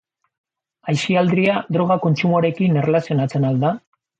Aisialdia droga kontsumoarekin erlazionatzen al da?